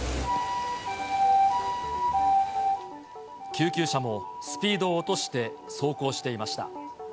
救急車もスピードを落として、走行していました。